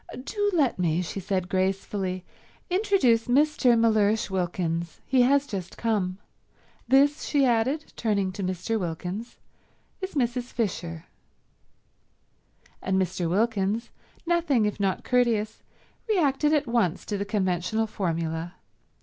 "Do let me," she said gracefully, "introduce Mr. Mellersh Wilkins. He has just come. This," she added, turning to Mr. Wilkins, "is Mrs. Fisher." And Mr. Wilkins, nothing if not courteous, reacted at once to the conventional formula.